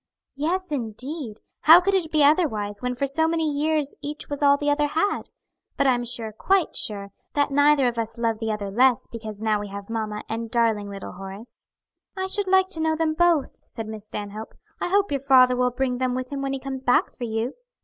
"Yes, indeed! how could it be otherwise when for so many years each was all the other had? But I'm sure, quite sure that neither of us loves the other less because now we have mamma and darling little Horace." "I should like to know them both," said Miss Stanhope. "I hope your father will bring them with him when he comes back for you."